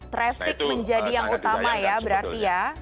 trafik menjadi yang utama ya berarti ya